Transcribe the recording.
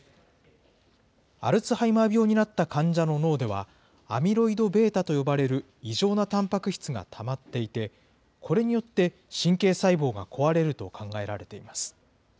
アルツハイマー病になった患者の脳では、アミロイドβと呼ばれる異常なたんぱく質がたまっていて、これによって神経細胞が壊れると考えられています。